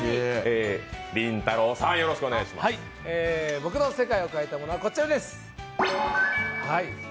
僕の世界を変えたものはこちらです。